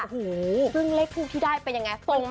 โอ้โหเรื่องเลขทุกที่ได้เป็นยังไงตรงไหม